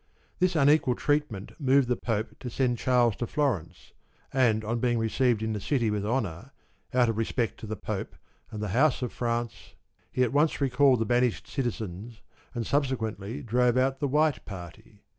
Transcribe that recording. This unequal treatment moved the Pope to send Charles to Florence, and on be ing received in the city with honour, out of respect to the Pope and the house of France, he at once recalled the banished citizens, and subsequently drove out the White party.